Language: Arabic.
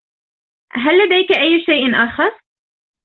هل لديك أي شيء أرخص ؟